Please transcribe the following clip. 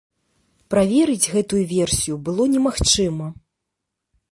Праверыць гэтую версію было не магчыма.